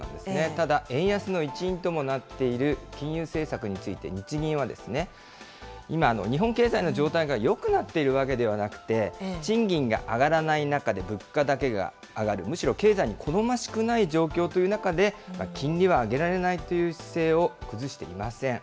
ただ、円安の一因ともなっている金融政策について、日銀は、今、日本経済の状態がよくなっているわけではなくて、賃金が上がらない中で物価だけが上がる、むしろ経済に好ましくない状況という中で、金利は上げられないという姿勢を崩していません。